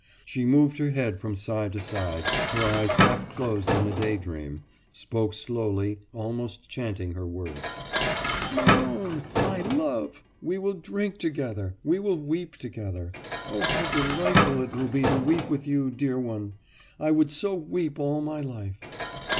She moved her head from side to side, her eyes half closed in a daydream, spoke slowly, almost chanting her words. »My own! My love! We will drink together! We will weep together. Oh, how delightful it will be to weep with you, dear one. I would so weep all my life.